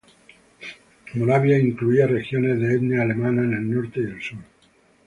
Moravia incluía regiones de etnia alemana en el norte y el sur.